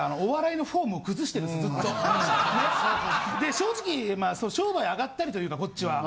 正直商売あがったりというかこっちは。